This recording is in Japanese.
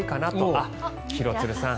あっ、廣津留さん